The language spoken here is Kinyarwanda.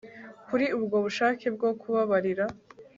kuri ubwo bushake bwo kubabarira